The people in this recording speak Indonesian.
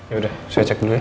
yaudah saya cek dulu ya